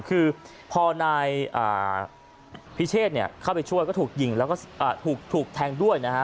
คือพอนายพิเชษเข้าไปช่วยก็ถูกยิงแล้วก็ถูกแทงด้วยนะฮะ